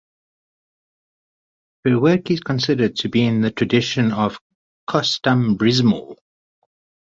Her work is considered to be in the tradition of "costumbrismo".